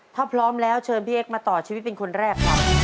ถ้าพร้อมแล้วเชิญพี่เอ็กซมาต่อชีวิตเป็นคนแรกครับ